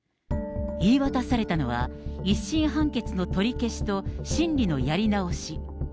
言い渡されたのは、１審判決の取り消しと審理のやり直し。